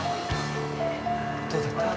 どうだった？